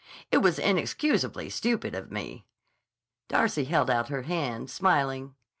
"It was inexcusably stupid of me." Darcy held out her hand, smiling.